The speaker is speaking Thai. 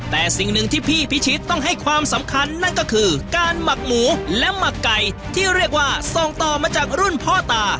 แต่สิ่งหนึ่งที่พี่พิชิตต้องให้ความสำคัญนั่นก็คือการหมักหมูและหมักไก่ที่เรียกว่าส่งต่อมาจากรุ่นพ่อตา